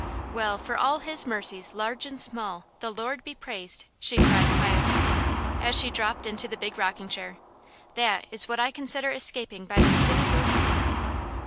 "Well, for all His mercies, large and small, the Lord be praised!" she cried piously, as she dropped into the big rocking chair. "THAT is what I consider escaping by the skin of your teeth!"